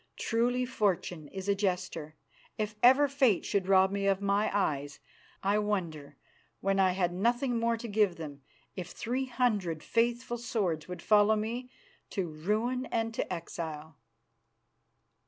Truly Fortune is a jester. If ever Fate should rob me of my eyes, I wonder, when I had nothing more to give them, if three hundred faithful swords would follow me to ruin and to exile?"